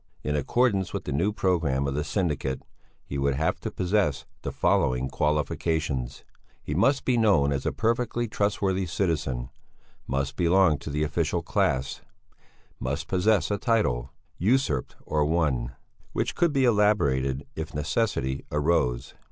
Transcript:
In accordance with the new programme of the syndicate, he would have to possess the following qualifications: he must be known as a perfectly trustworthy citizen; must belong to the official class; must possess a title, usurped or won, which could be elaborated if necessity arose.